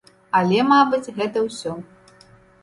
Але, мабыць, гэта ўсё.